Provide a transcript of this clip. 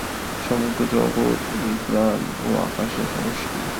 সমগ্র জগৎ এই প্রাণ ও আকাশের সমষ্টি।